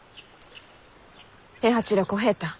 平八郎小平太。